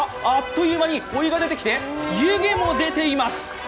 あっという間にお湯が出てきて、湯気も出ています。